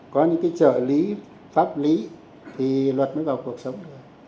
có những trợ lý pháp lý thì luật mới vào cuộc sống